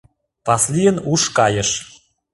Васлийын уш кайыш.